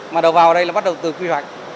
mà đầu vào đây là bắt đầu từ quy hoạch